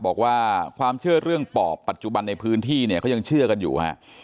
บอกว่าความเชื่อเรื่องปอบปัจจุบันในพื้นที่เนี่ยเขายังเชื่อกันอยู่ฮะ